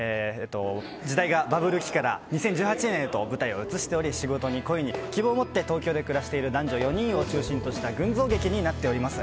時代がバブル期から２０１８年へと舞台を移しており、仕事に恋に希望をもって東京で暮らしている男女４人を中心とした群像劇になっております。